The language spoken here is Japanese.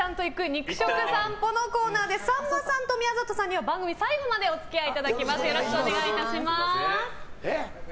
肉食さんぽのコーナーでさんまさんと宮里さんには番組最後までお付き合いいただきます。